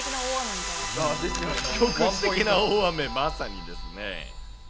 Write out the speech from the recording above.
局地的な大雨、まさにですね。